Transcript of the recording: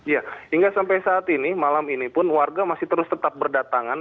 ya hingga sampai saat ini malam ini pun warga masih terus tetap berdatangan